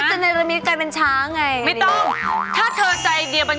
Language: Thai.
ฮะเพื่อเล่นเหรอเนี่ย